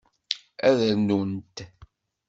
Ad rnunt?